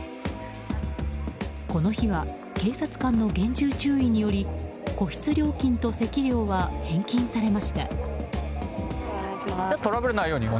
この日は警察官の厳重注意により個室料金と席料は返金されました。